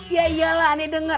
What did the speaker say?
ya iyalah aneh denger